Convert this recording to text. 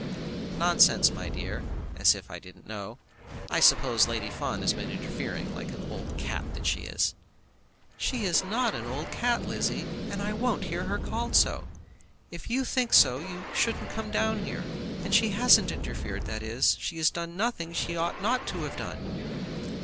"Nonsense, my dear; as if I didn't know. I suppose Lady Fawn has been interfering like an old cat as she is." "She is not an old cat, Lizzie! and I won't hear her called so. If you think so, you shouldn't come here. And she hasn't interfered. That is, she has done nothing that she ought not to have done."